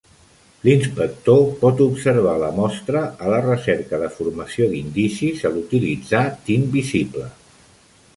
L'inspector pot observar la mostra a la recerca de formació d'indicis al utilitzar tint visible.